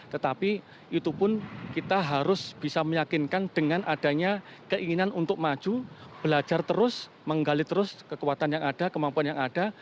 tetapi itu pun kita harus bisa meyakinkan dengan adanya keinginan untuk maju belajar terus menggali terus kekuatan yang ada kemampuan yang ada